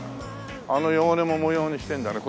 あの汚れも模様にしてるんだね。